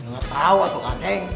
gak tau atuk ateng